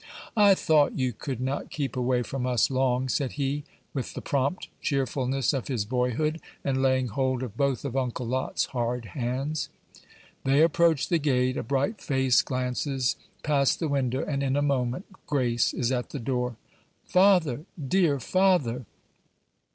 "I thought you could not keep away from us long," said he, with the prompt cheerfulness of his boyhood, and laying hold of both of Uncle Lot's hard hands. They approached the gate; a bright face glances past the window, and in a moment Grace is at the door. "Father! dear father!"